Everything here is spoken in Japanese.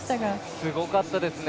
すごかったですね。